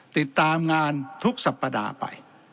ติดตามงานทุกสัปดาห์ไป